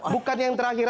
bukan yang terakhir